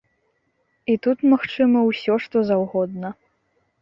І тут магчыма ўсё што заўгодна.